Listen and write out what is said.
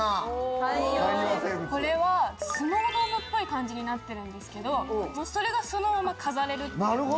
これはスノードームっぽい感じになってるんですけどそれがそのまま飾れるっていう。